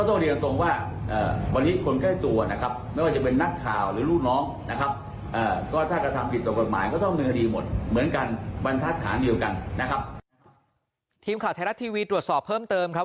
ทีมข่าวไทยรัฐทีวีตรวจสอบเพิ่มเติมครับ